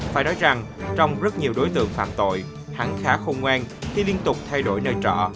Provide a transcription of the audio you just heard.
phải nói rằng trong rất nhiều đối tượng phạm tội hắn khá khôn ngoan khi liên tục thay đổi nơi trọ